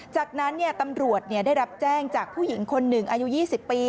จากนั้นตำรวจได้รับแจ้งจากผู้หญิงคนหนึ่งอายุ๒๐ปี